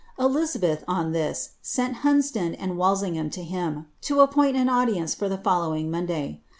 Elizabeth, on this, ^nt Hunsdon and WaUingham to him, to appoint an audience for the foUov ing Monday.